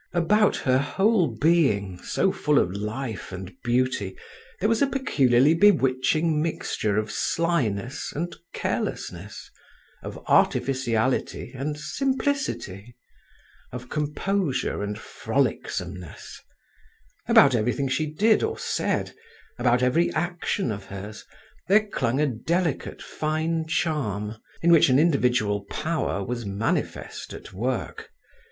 About her whole being, so full of life and beauty, there was a peculiarly bewitching mixture of slyness and carelessness, of artificiality and simplicity, of composure and frolicsomeness; about everything she did or said, about every action of hers, there clung a delicate, fine charm, in which an individual power was manifest at work.